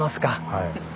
はい。